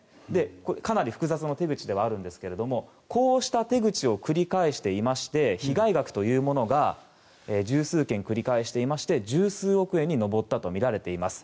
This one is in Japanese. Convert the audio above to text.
かなり複雑な手口ではあるんですけれどもこうした手口を繰り返していまして被害額というものが十数件繰り返していまして十数億円に上ったとみられています。